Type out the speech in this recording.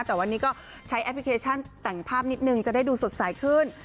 แต่วันนี้ก็ใช้แอปพลิเคชันแต่งภาพนิดนึงจะได้ดูสดใสขึ้น